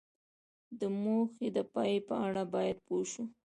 د موخې د پای په اړه باید پوه شو.